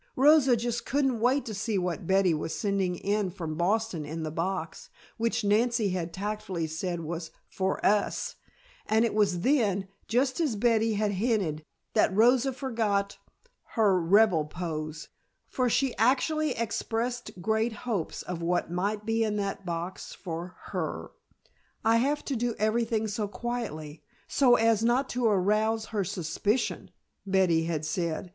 Rosa just couldn't wait to see what Betty was sending in from Boston in the box, which Nancy had tactfully said was "for us," and it was then, just as Betty had hinted, that Rosa forgot her rebel pose, for she actually expressed great hopes of what might be in that box for her! "I have to do everything so quietly, so as not to arouse her suspicion," Betty had said.